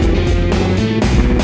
udah bocan mbak